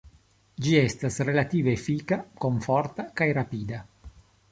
Ĝi estas relative efika, komforta kaj rapida.